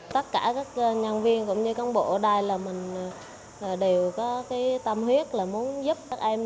tất cả các nhân viên cũng như cán bộ ở đây là mình đều có cái tâm huyết là muốn giúp các em